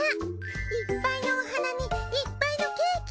いっぱいのお花にいっぱいのケーキ。